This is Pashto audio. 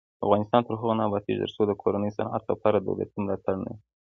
افغانستان تر هغو نه ابادیږي، ترڅو د کورني صنعت لپاره دولتي ملاتړ نه وي.